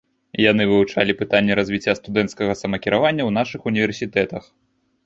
Яны вывучалі пытанні развіцця студэнцкага самакіравання ў нашых універсітэтах.